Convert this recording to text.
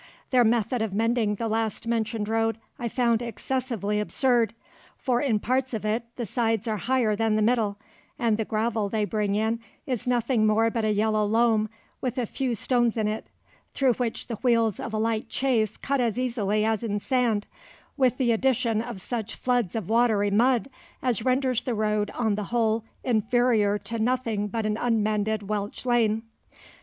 Their method of mending the last mentioned road I found excessively absurd, for in parts of it the sides are higher than the middle, and the gravel they bring in is nothing more but a yellow loam with a few stones in it, through which the wheels of a light chaise cut as easily as in sand, with the addition of such floods of watery mud as renders the road, on the whole, inferior to nothing but an unmended Welsh lane.